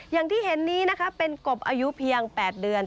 อย่างที่เห็นนี้นะคะเป็นกบอายุเพียง๘เดือน